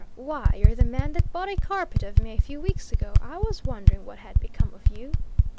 Why, you're the man that bought a carpet of me a few weeks ago; I was wondering what had become of you."